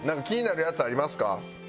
気になるやつありますか？